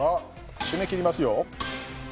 締め切りますよ。